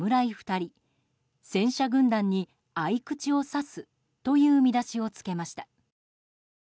２人戦車軍団に匕首を刺すという見出しを付けました。